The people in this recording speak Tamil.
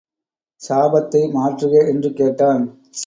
சாபத்தை மாற்றுக என்று கேட்டான்.